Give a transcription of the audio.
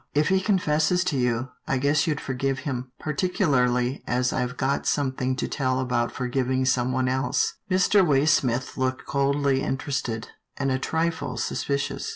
If he confesses to you, I guess you'd forgive him, particularly as I've got something to tell about for giving someone else." Mr. Waysmith looked coldly interested, and a trifle suspicious.